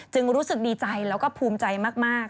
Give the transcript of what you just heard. รู้สึกดีใจแล้วก็ภูมิใจมาก